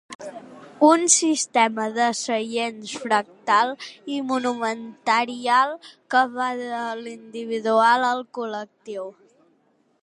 Un sistema de seients fractal i monomaterial que va de l'individual al col·lectiu.